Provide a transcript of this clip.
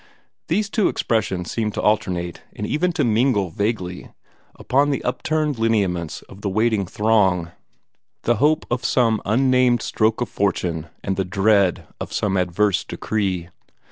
These two expressions seemed to alternate, and even to mingle vaguely, upon the upturned lineaments of the waiting throng the hope of some unnamed stroke of fortune and the dread of some adverse decree.